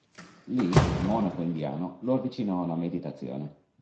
Lì un monaco indiano lo avvicinò alla meditazione.